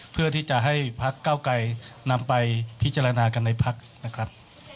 เพื่อที่จะให้พักเก้าไกรนำไปพิจารณากันในพักนะครับ